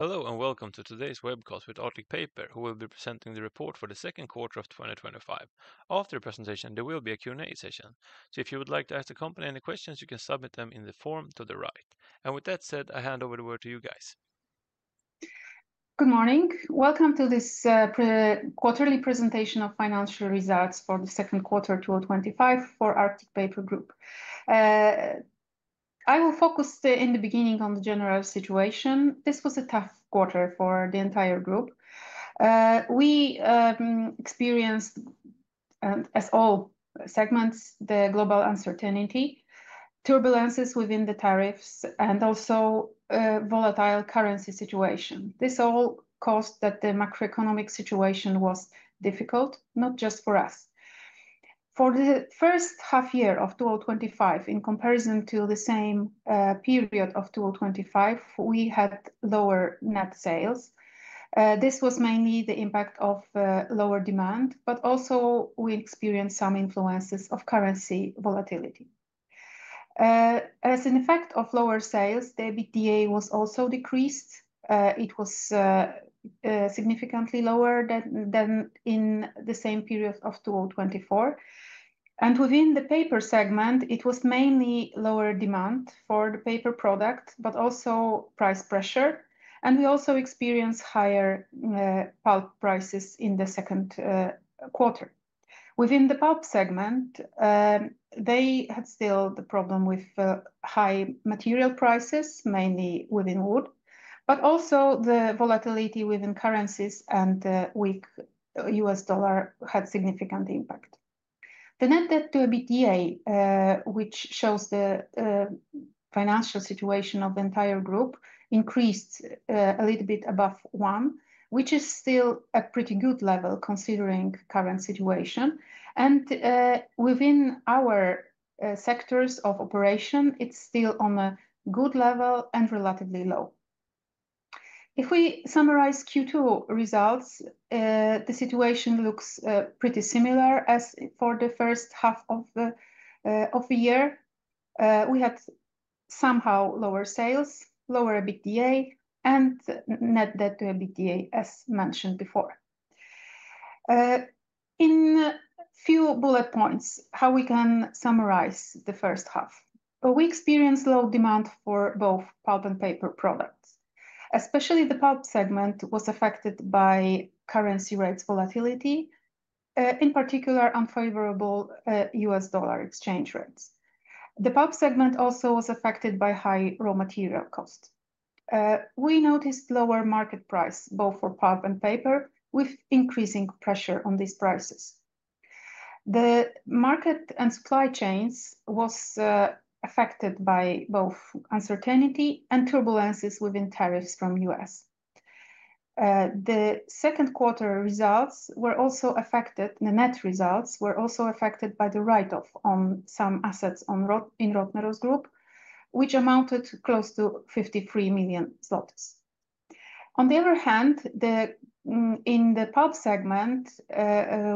Hello and welcome to today's webcast with Arctic Paper, who will be presenting the report for the second quarter of 2025. After the presentation, there will be a Q&A session. If you would like to ask the company any questions, you can submit them in the form to the right. With that said, I hand over to you guys. Good morning. Welcome to this quarterly presentation of financial results for the second quarter 2025 for Arctic Paper Group. I will focus in the beginning on the general situation. This was a tough quarter for the entire group. We experienced, as all segments, the global uncertainty, turbulences within the tariffs, and also a volatile currency situation. This all caused that the macroeconomic situation was difficult, not just for us. For the first half year of 2025, in comparison to the same period of 2024, we had lower net sales. This was mainly the impact of lower demand, but also we experienced some influences of currency volatility. As an effect of lower sales, the EBITDA was also decreased. It was significantly lower than in the same period of 2024. Within the paper segment, it was mainly lower demand for the paper products, but also price pressure. We also experienced higher pulp prices in the second quarter. Within the pulp segment, they had still the problem with high material prices, mainly within wood, but also the volatility within currencies and the weak U.S. dollar had a significant impact. The net debt to EBITDA, which shows the financial situation of the entire group, increased a little bit above one, which is still a pretty good level considering the current situation. Within our sectors of operation, it's still on a good level and relatively low. If we summarize Q2 results, the situation looks pretty similar as for the first half of the year. We had somehow lower sales, lower EBITDA, and net debt to EBITDA, as mentioned before. In a few bullet points, how we can summarize the first half, we experienced low demand for both pulp and paper products. Especially the pulp segment was affected by currency rates volatility, in particular unfavorable U.S. dollar exchange rates. The pulp segment also was affected by high raw material costs. We noticed lower market price both for pulp and paper, with increasing pressure on these prices. The market and supply chains were affected by both uncertainty and turbulences within tariffs from the U.S. The second quarter results were also affected, and the net results were also affected by the write-off on some assets in Rottneros Group, which amounted close to 53 million zlotys. On the other hand, in the pulp segment,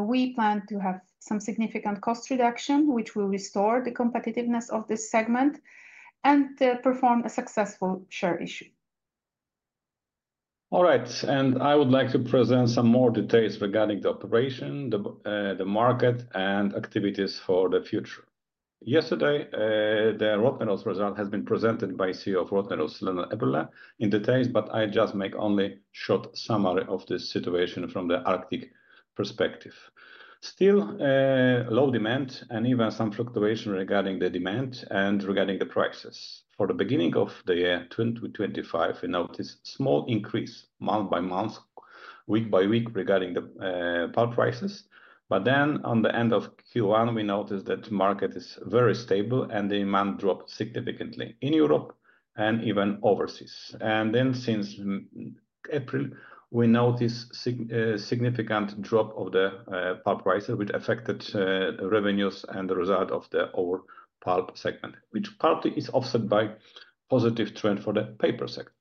we plan to have some significant cost reduction, which will restore the competitiveness of this segment and perform a successful share issue. All right, and I would like to present some more details regarding the operation, the market, and activities for the future. Yesterday, the Rottneros result has been presented by CEO of Rottneros, Lennart Eberleh, in detail, but I just make only a short summary of this situation from the Arctic perspective. Still, low demand and even some fluctuation regarding the demand and regarding the prices. For the beginning of the year 2025, we noticed a small increase month by month, week by week regarding the pulp prices. At the end of Q1, we noticed that the market is very stable and the demand dropped significantly in Europe and even overseas. Since April, we noticed a significant drop of the pulp prices, which affected revenues and the result of the whole pulp segment, which partly is offset by a positive trend for the paper sector.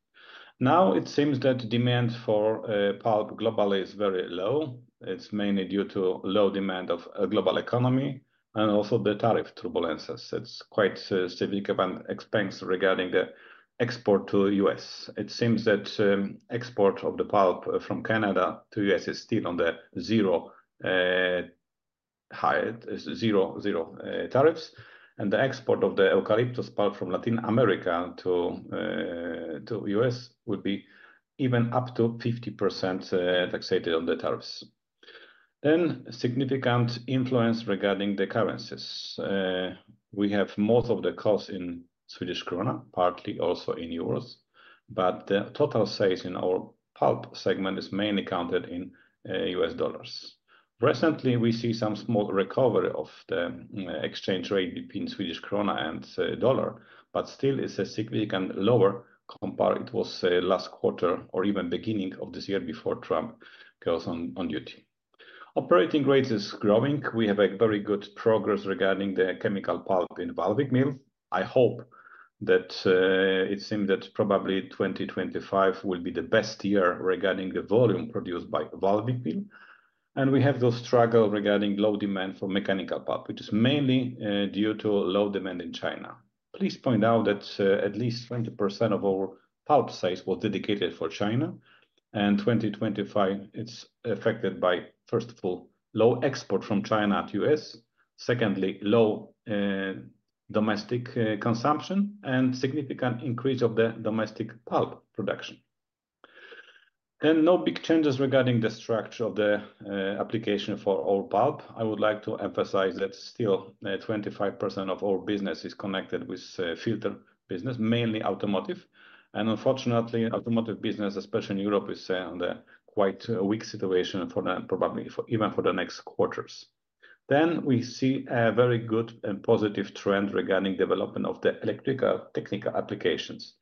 Now it seems that the demand for pulp globally is very low. It's mainly due to low demand of the global economy and also the tariff turbulences. It's quite significant expense regarding the export to the U.S. It seems that the export of the pulp from Canada to the U.S. is still on the zero-high, zero-tariffs, and the export of the eucalyptus pulp from Latin America to the U.S. would be even up to 50% taxed on the tariffs. Significant influence regarding the currencies. We have most of the costs in Swedish krona, partly also in euros, but the total sales in our pulp segment are mainly counted in U.S. dollars. Recently, we see some small recovery of the exchange rate between Swedish krona and dollar, but still it's significantly lower compared to what it was last quarter or even the beginning of this year before Trump goes on duty. Operating rate is growing. We have a very good progress regarding the chemical pulp in the Walwyk mill. I hope that it seems that probably 2025 will be the best year regarding the volume produced by the Walwyk mill. We have those struggles regarding low demand for mechanical pulp, which is mainly due to low demand in China. Please point out that at least 20% of our pulp sales were dedicated for China, and 2025 is affected by, first of all, low export from China to the U.S., secondly, low domestic consumption, and a significant increase of the domestic pulp production. No big changes regarding the structure of the application for our pulp. I would like to emphasize that still 25% of our business is connected with the filter business, mainly automotive. Unfortunately, the automotive business, especially in Europe, is in a quite weak situation probably even for the next quarters. We see a very good and positive trend regarding the development of the electrical technical applications.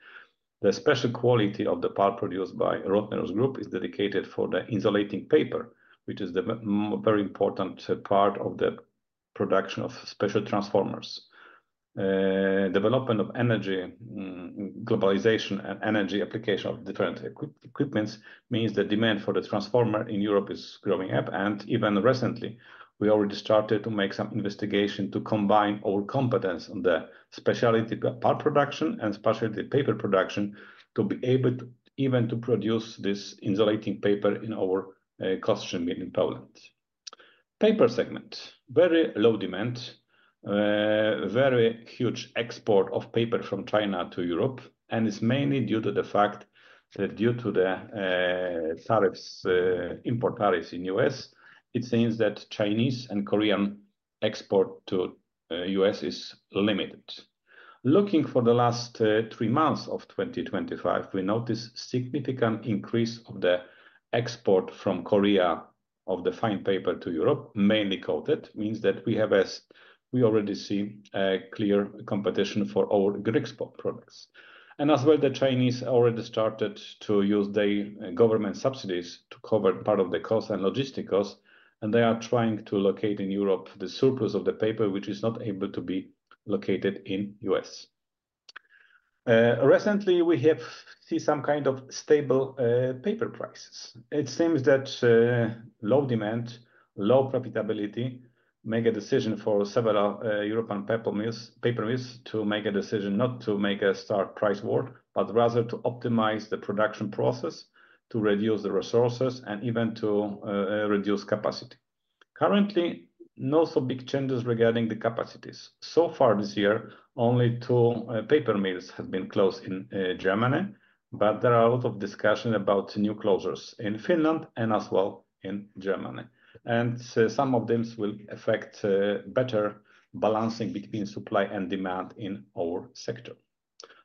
The special quality of the pulp produced by Rottneros Group is dedicated for the insulating paper, which is a very important part of the production of special transformers. The development of energy, globalization, and energy application of different equipment means the demand for the transformer in Europe is growing up. Recently, we already started to make some investigations to combine our competence in the specialty pulp production and specialty paper production to be able even to produce this insulating paper in our Kostrzyn, Poland. The paper segment has very low demand, a very huge export of paper from China to Europe, and it's mainly due to the fact that due to the import tariffs in the U.S., it seems that Chinese and Korean export to the U.S. is limited. Looking for the last three months of 2025, we noticed a significant increase of the export from Korea of the fine paper to Europe, mainly coated. It means that we already see a clear competition for our Grycksbo products. The Chinese already started to use their government subsidies to cover part of the cost and logistic costs, and they are trying to locate in Europe the surplus of the paper, which is not able to be located in the U.S. Recently, we have seen some kind of stable paper prices. It seems that low demand, low profitability makes a decision for several European paper mills to make a decision not to make a stark price war, but rather to optimize the production process, to reduce the resources, and even to reduce capacity. Currently, not so big changes regarding the capacities. So far this year, only two paper mills have been closed in Germany, but there are a lot of discussions about new closures in Finland and as well in Germany. Some of them will affect better balancing between supply and demand in our sector.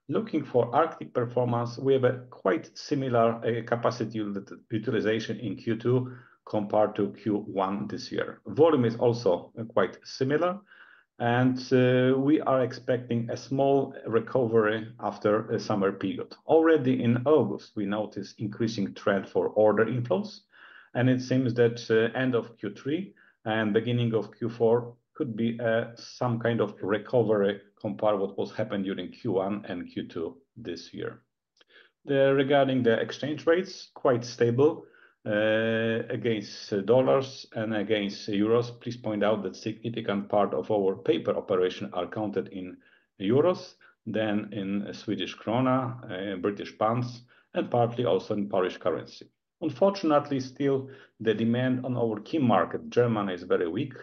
Looking for Arctic performance, we have a quite similar capacity utilization in Q2 compared to Q1 this year. Volume is also quite similar, and we are expecting a small recovery after a summer period. Already in August, we noticed an increasing trend for order inflows, and it seems that the end of Q3 and the beginning of Q4 could be some kind of recovery compared to what was happening during Q1 and Q2 this year. Regarding the exchange rates, quite stable against dollars and against euros. Please point out that a significant part of our paper operations are counted in euros, then in Swedish krona, British pounds, and partly also in Polish currency. Unfortunately, still the demand on our key market, Germany, is very weak.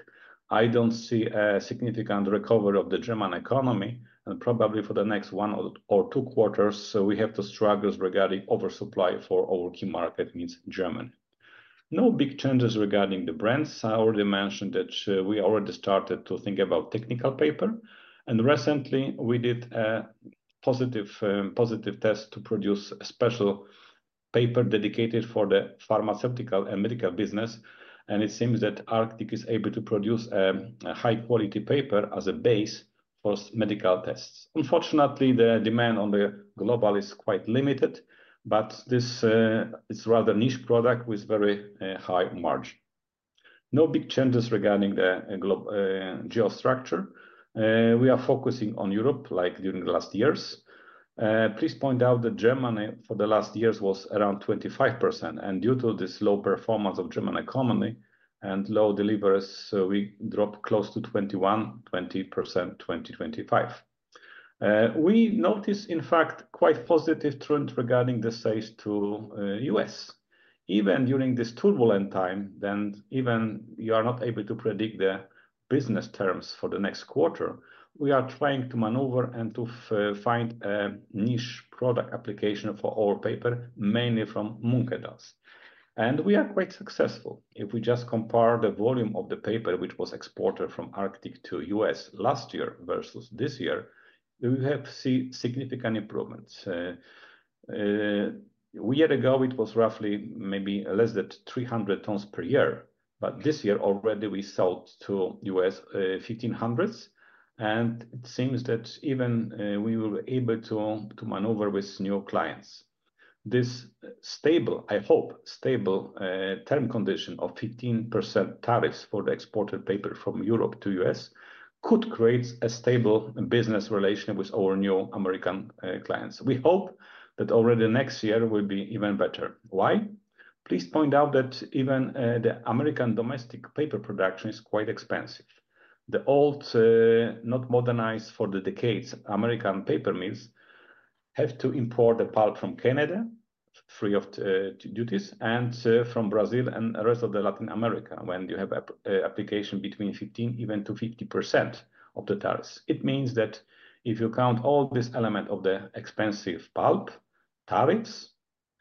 I don't see a significant recovery of the German economy, and probably for the next one or two quarters, we have to struggle regarding oversupply for our key market, which is Germany. No big changes regarding the brands. I already mentioned that we already started to think about technical paper, and recently we did a positive test to produce a special paper dedicated for the pharmaceutical and medical business, and it seems that Arctic is able to produce a high-quality paper as a base for medical tests. Unfortunately, the demand on the global is quite limited, but this is a rather niche product with a very high margin. No big changes regarding the geostructure. We are focusing on Europe, like during the last years. Please point out that Germany for the last years was around 25%, and due to this low performance of German economy and low deliveries, we dropped close to 21%, 20% in 2025. We noticed, in fact, quite a positive trend regarding the sales to the U.S. Even during this turbulent time, then even you are not able to predict the business terms for the next quarter, we are trying to maneuver and to find a niche product application for our paper, mainly from Munkedals. And we are quite successful. If we just compare the volume of the paper which was exported from Arctic o the U.S. last year versus this year, we have seen significant improvements. A year ago, it was roughly maybe less than 300 t per year, but this year already we sold to the U.S. 1,500 t, and it seems that even we were able to maneuver with new clients. This stable, I hope, stable term condition of 15% tariffs for the exported paper from Europe to the U.S. could create a stable business relationship with our new American clients. We hope that already next year will be even better. Why? Please point out that even the American domestic paper production is quite expensive. The old, not modernized for the decades American paper mills have to import the pulp from Canada free of duties and from Brazil and the rest of Latin America when you have an application between 15% and even to 50% of the tariffs. It means that if you count all these elements of the expensive pulp, tariffs,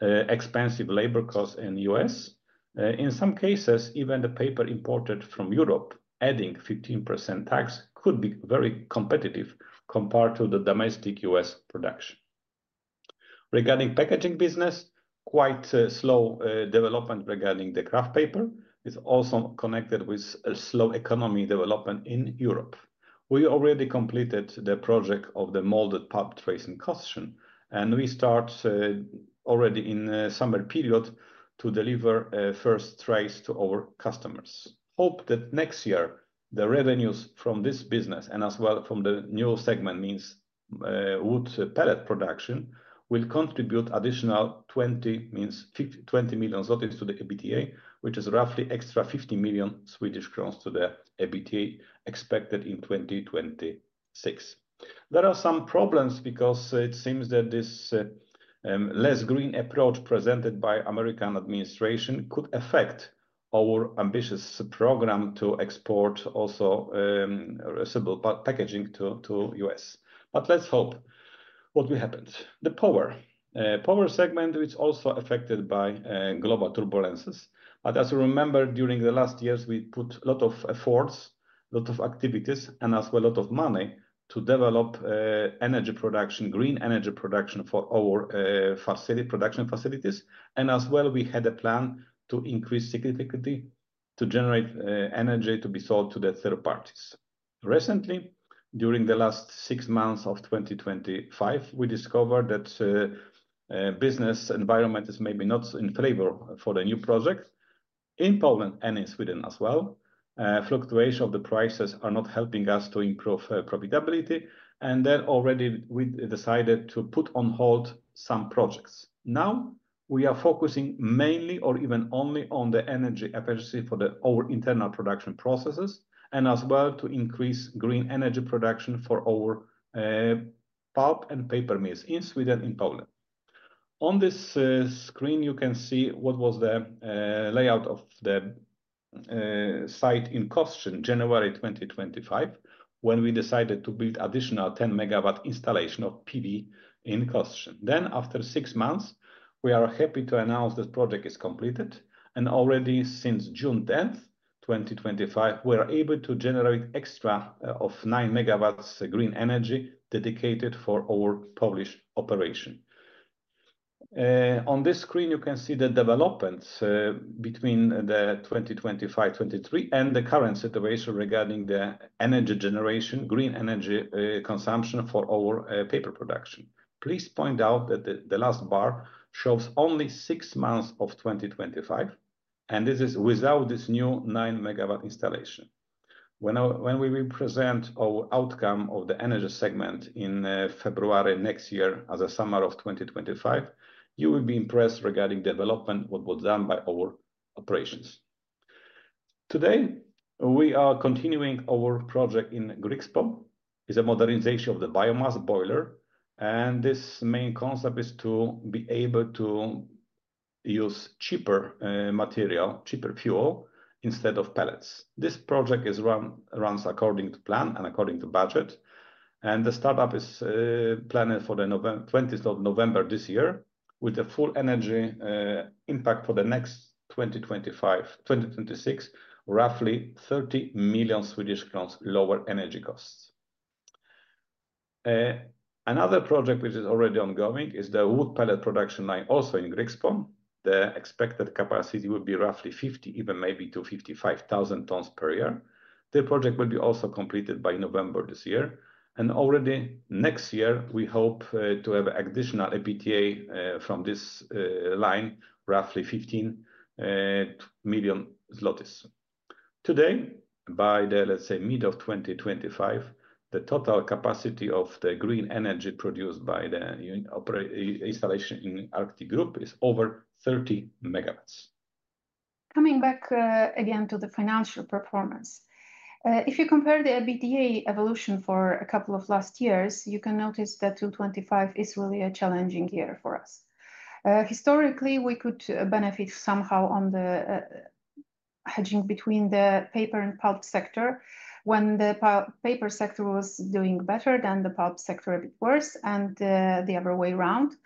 expensive labor costs in the U.S., in some cases even the paper imported from Europe adding 15% tax could be very competitive compared to the domestic U.S. production. Regarding the packaging business, quite a slow development regarding the craft paper is also connected with a slow economy development in Europe. We already completed the project of the molded pulp trace in Kostrzyn, and we start already in the summer period to deliver a first trace to our customers. Hope that next year the revenues from this business and as well from the new segment, which means wood pellet production, will contribute an additional 20 million zlotys to the EBITDA, which is roughly an extra 50 million Swedish crowns to the EBITDA expected in 2026. There are some problems because it seems that this less green approach presented by the American administration could affect our ambitious program to export also recyclable packaging to the U.S. Let's hope what will happen. The power segment is also affected by global turbulences. As you remember, during the last years, we put a lot of efforts, a lot of activities, and as well a lot of money to develop energy production, green energy production for our production facilities. We had a plan to increase significantly to generate energy to be sold to the third parties. Recently, during the last six months of 2025, we discovered that the business environment is maybe not in favor for the new projects in Poland and in Sweden as well. Fluctuations of the prices are not helping us to improve profitability, and there already we decided to put on hold some projects. Now, we are focusing mainly or even only on the energy efficiency for our internal production processes and as well to increase green energy production for our pulp and paper mills in Sweden and Poland. On this screen, you can see what was the layout of the site in Kostrzyn in January 2025 when we decided to build an additional 10 MW installation of PV in Kostrzyn. After six months, we are happy to announce that the project is completed and already since June 10th, 2025, we are able to generate an extra 9 MW of green energy dedicated for our Polish operation. On this screen, you can see the developments between 2025, 2023 and the current situation regarding the energy generation, green energy consumption for our paper production. Please point out that the last bar shows only six months of 2025, and this is without this new 9 MW installation. When we present our outcome of the energy segment in February next year as a summary of 2025, you will be impressed regarding the development of what was done by our operations. Today, we are continuing our project in Grycksbo. It's a modernization of the biomass boiler, and this main concept is to be able to use cheaper material, cheaper fuel instead of pellets. This project runs according to plan and according to budget, and the start-up is planned for 20th of November this year with a full energy impact for 2025, 2026, roughly 30 million Swedish crowns lower energy costs. Another project which is already ongoing is the wood pellet production line also in Grycksbo. The expected capacity will be roughly 50,000t, even maybe up to 55,000 t per year. The project will be also completed by November this year, and already next year we hope to have an additional EBITDA from this line, roughly 15 million zlotys. Today, by the mid of 2025, the total capacity of the green energy produced by the installation in Arctic Group is over 30 MW. Coming back again to the financial performance. If you compare the EBITDA evolution for a couple of last years, you can notice that 2025 is really a challenging year for us. Historically, we could benefit somehow from the hedging between the paper and pulp sector when the paper sector was doing better than the pulp sector, a bit worse, and the other way around.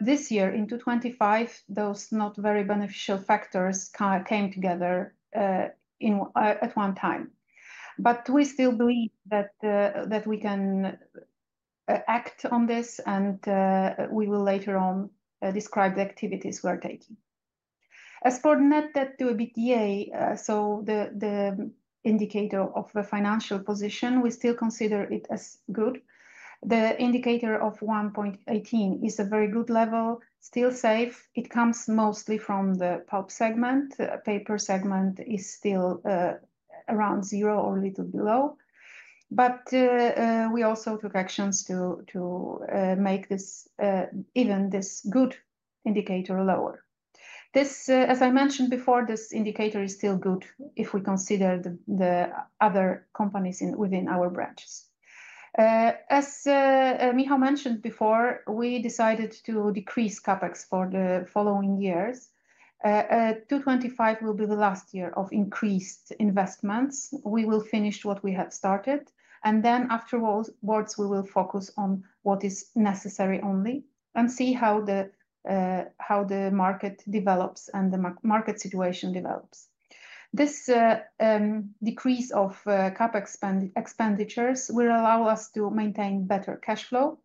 This year, in 2025, those not very beneficial factors came together at one time. We still believe that we can act on this, and we will later on describe the activities we are taking. As for net debt to EBITDA, so the indicator of the financial position, we still consider it as good. The indicator of 1.18 is a very good level, still safe. It comes mostly from the pulp segment. The paper segment is still around zero or a little below. We also took actions to make this even this good indicator lower. As I mentioned before, this indicator is still good if we consider the other companies within our branches. As Michał Jarczyński mentioned before, we decided to decrease CapEx for the following years. 2025 will be the last year of increased investments. We will finish what we have started, and afterwards, we will focus on what is necessary only and see how the market develops and the market situation develops. This decrease of CapEx expenditures will allow us to maintain better cash flow,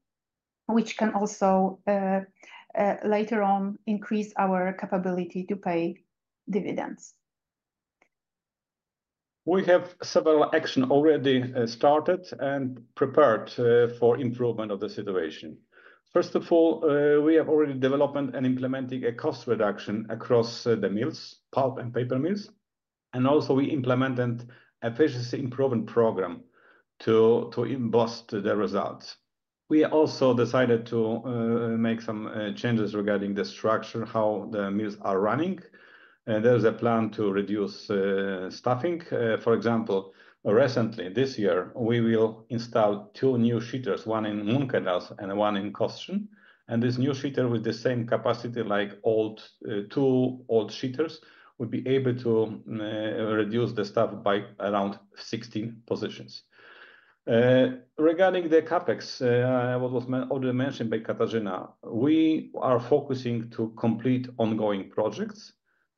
which can also later on increase our capability to pay dividends. We have several actions already started and prepared for improvement of the situation. First of all, we have already developed and implemented a cost reduction across the mills, pulp and paper mills, and also we implemented an efficiency improvement program to boost the results. We also decided to make some changes regarding the structure, how the mills are running. There's a plan to reduce staffing. For example, recently, this year, we will install two new sheeters, one in Munkedals and one in Kostrzyn. This new sheeter, with the same capacity like two old sheeters, will be able to reduce the staff by around 16 positions. Regarding the CapEx, what was already mentioned by Katarzyna, we are focusing to complete ongoing projects,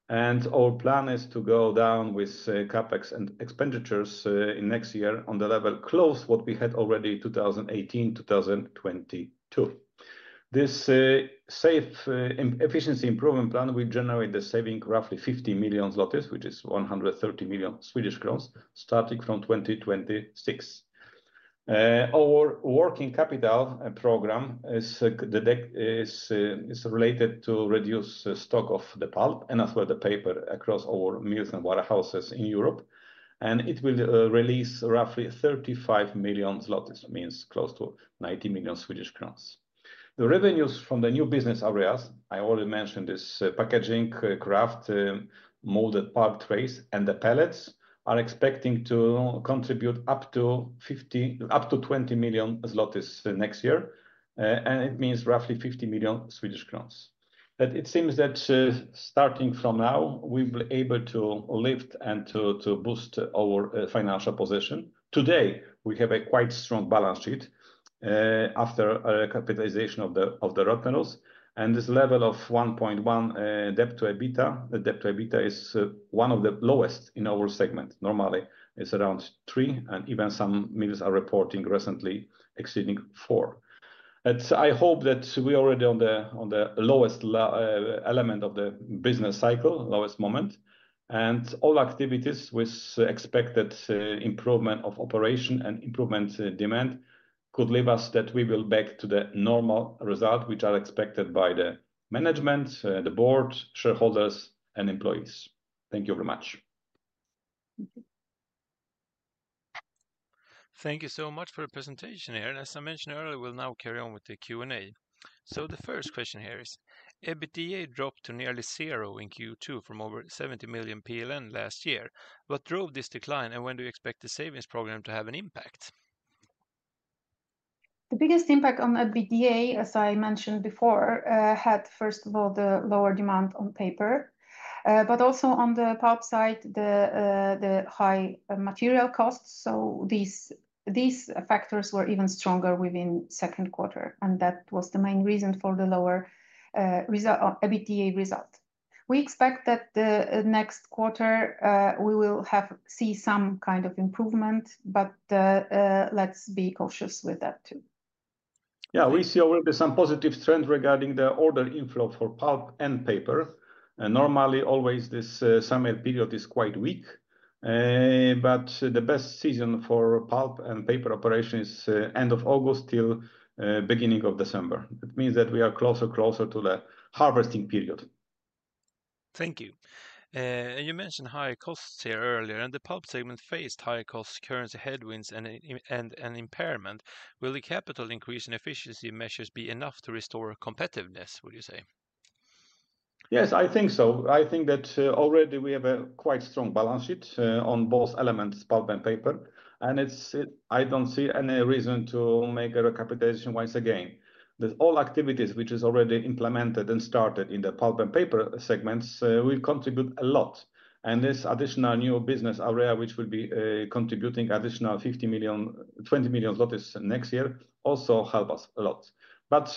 and our plan is to go down with CapEx and expenditures in next year on the level close to what we had already in 2018-2022. This safe efficiency improvement plan will generate a saving of roughly 50 million zlotys, which is 130 million Swedish crowns, starting from 2026. Our working capital program is related to reduce the stock of the pulp and as well the paper across our mills and warehouses in Europe, and it will release roughly 35 million zlotys, which means close to 90 million Swedish crowns. The revenues from the new business areas, I already mentioned this packaging, craft, molded pulp trays, and the pellets are expected to contribute up to 20 million zlotys next year, and it means roughly 50 million Swedish crowns. It seems that starting from now, we will be able to lift and to boost our financial position. Today, we have a quite strong balance sheet after the capitalization of the Rottneros, and this level of 1.1 net debt to EBITDA, the net debt to EBITDA is one of the lowest in our segment. Normally, it's around three, and even some mills are reporting recently exceeding four. I hope that we are already on the lowest element of the business cycle, lowest moment, and all activities with expected improvement of operation and improvement in demand could leave us that we will be back to the normal result, which are expected by the management, the board, shareholders, and employees. Thank you very much. Thank you so much for your presentation here. As I mentioned earlier, we'll now carry on with the Q&A. The first question here is, EBITDA dropped to nearly zero in Q2 from over 70 million PLN last year. What drove this decline, and when do you expect the savings program to have an impact? The biggest impact on EBITDA, as I mentioned before, had, first of all, the lower demand on paper, but also on the pulp side, the high material costs. These factors were even stronger within the second quarter, and that was the main reason for the lower EBITDA result. We expect that the next quarter we will see some kind of improvement, but let's be cautious with that too. Yeah, we see already some positive trends regarding the order inflow for pulp and paper. Normally, this summer period is quite weak, but the best season for pulp and paper operation is the end of August till the beginning of December. It means that we are closer and closer to the harvesting period. Thank you. You mentioned higher costs here earlier, and the pulp segment faced higher costs, currency headwinds, and an impairment. Will the capital increase in efficiency measures be enough to restore competitiveness, would you say? Yes, I think so. I think that already we have a quite strong balance sheet on both elements, pulp and paper, and I don't see any reason to make a recapitalization once again. All activities which are already implemented and started in the pulp and paper segments will contribute a lot, and this additional new business area which will be contributing an additional 20 million next year also helps us a lot.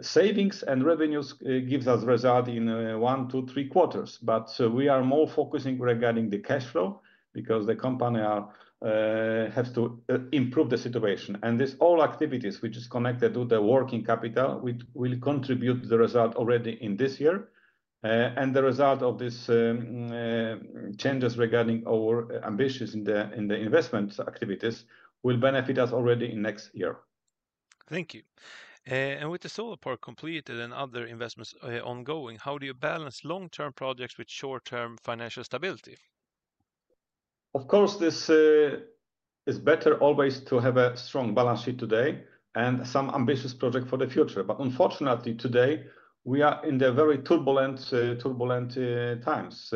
Savings and revenues give us a result in one, two, three quarters. We are more focusing regarding the cash flow because the company has to improve the situation. These all activities which are connected to the working capital will contribute to the result already in this year, and the result of these changes regarding our ambitions in the investment activities will benefit us already in next year. Thank you. With the solar park completed and other investments ongoing, how do you balance long-term projects with short-term financial stability? Of course, it's better always to have a strong balance sheet today and some ambitious projects for the future. Unfortunately, today we are in very turbulent times,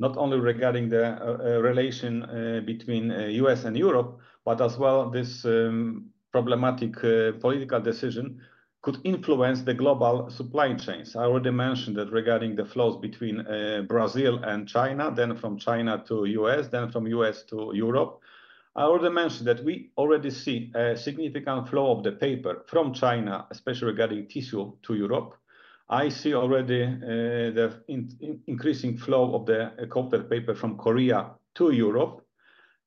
not only regarding the relation between the U.S. and Europe, but as well this problematic political decision could influence the global supply chains. I already mentioned that regarding the flows between Brazil and China, then from China to the U.S., then from the U.S. to Europe. I already mentioned that we already see a significant flow of the paper from China, especially regarding tissue to Europe. I see already the increasing flow of the coated paper from Korea to Europe,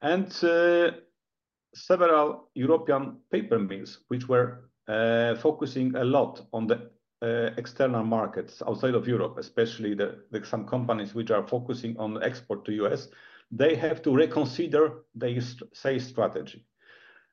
and several European paper mills which were focusing a lot on the external markets outside of Europe, especially some companies which are focusing on export to the U.S., they have to reconsider their sales strategy.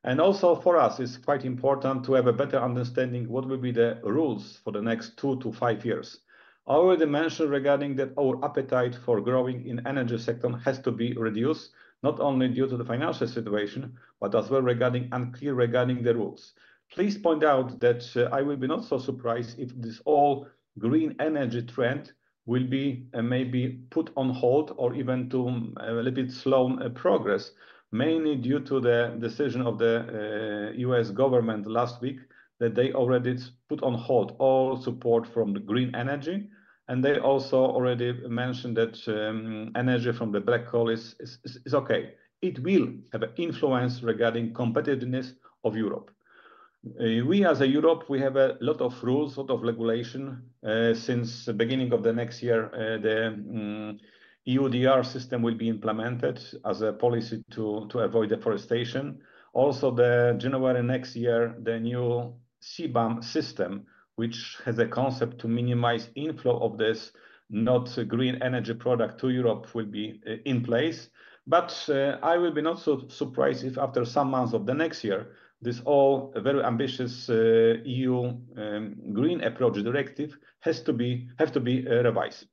Also for us, it's quite important to have a better understanding of what will be the rules for the next two to five years. I already mentioned regarding that our appetite for growing in the energy sector has to be reduced, not only due to the financial situation, but as well unclear regarding the rules. Please point out that I will be not so surprised if this all green energy trend will be maybe put on hold or even to a little bit slow progress, mainly due to the decision of the U.S. government last week that they already put on hold all support from the green energy, and they also already mentioned that energy from the black hole is okay. It will have an influence regarding the competitiveness of Europe. We as a Europe, we have a lot of rules, a lot of regulation. Since the beginning of the next year, the EUDR system will be implemented as a policy to avoid deforestation. Also, in January next year, the new CBAM system, which has a concept to minimize the inflow of this not green energy product to Europe, will be in place. I will be not so surprised if after some months of the next year, this all very ambitious EU green approach directive has to be revised.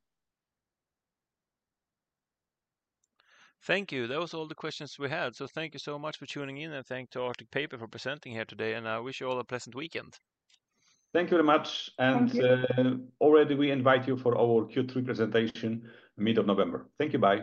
Thank you. That was all the questions we had. Thank you so much for tuning in, and thanks to Arctic Paper for presenting here today. I wish you all a pleasant weekend. Thank you very much, and already we invite you for our Q3 presentation in the middle of November. Thank you, bye.